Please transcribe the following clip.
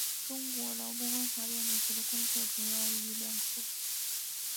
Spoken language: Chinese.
中国劳工观察在美国的工作主要在于两个部份。